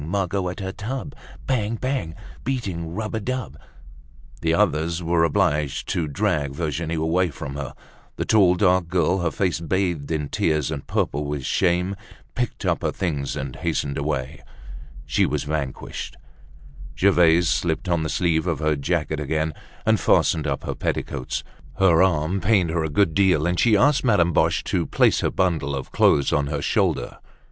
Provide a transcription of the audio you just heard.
Margot at her tub. Bang! Bang! Beating rub a dub—" The others were obliged to drag Virginie away from her. The tall, dark girl, her face bathed in tears and purple with shame, picked up her things and hastened away. She was vanquished. Gervaise slipped on the sleeve of her jacket again, and fastened up her petticoats. Her arm pained her a good deal, and she asked Madame Boche to place her bundle of clothes on her shoulder.